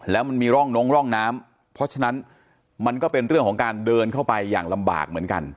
แล้วมันมีร่องนงร่องน้ำเพราะฉะนั้นมันก็เป็นเรื่องของการเดินเข้าไปอย่างลำบากเหมือนกัน